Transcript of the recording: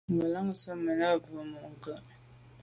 Ngelan ze me na’ mbe mônke’.